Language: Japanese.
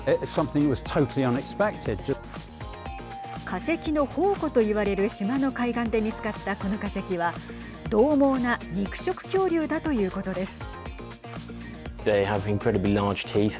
化石の宝庫といわれる島の海岸で見つかったこの化石はどう猛な肉食恐竜だということです。